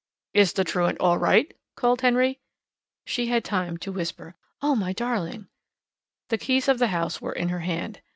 "Is the truant all right?" called Henry. She had time to whisper: "Oh, my darling " The keys of the house were in her hand.